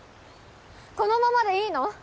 このままでいいの？